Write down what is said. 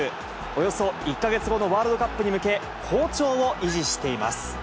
およそ１か月後のワールドカップに向け、好調を維持しています。